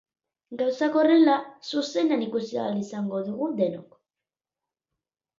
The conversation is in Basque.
Gauzak horrela, zuzenean ikusi ahal izango dugu denok.